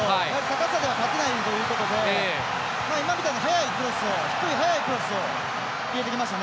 高さでは勝てないということで今みたいに低い速いクロスを入れてきました。